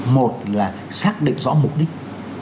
một là xác định rõ mục đích